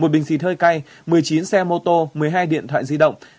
một bình xì thơi cay một mươi chín xe mô tô một mươi hai điện thoại di động